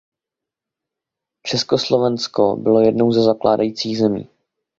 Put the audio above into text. Československo bylo jednou ze zakládajících zemí.